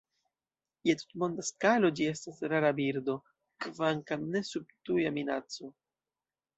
Je tutmonda skalo ĝi estas rara birdo, kvankam ne sub tuja minaco.